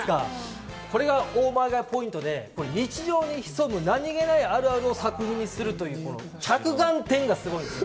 これがオーマイガーポイントで、日常に潜む何気ないあるあるを作品にするという着眼点がすごいんですよ。